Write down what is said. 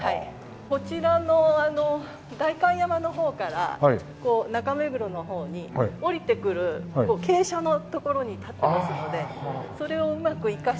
こちらの代官山の方から中目黒の方に下りてくる傾斜の所に立ってますのでそれをうまく生かして。